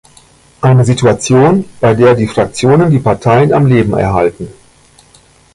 Eine Situation, bei der die Fraktionen die Parteien am Leben erhalten.